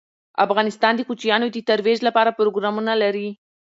افغانستان د کوچیانو د ترویج لپاره پروګرامونه لري.